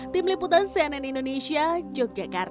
tim liputan cnn indonesia yogyakarta